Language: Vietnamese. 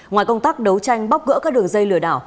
ngoài công tác đấu tranh bóc gỡ các đường dây lừa đảo